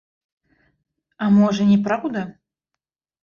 А можа, не праўда?!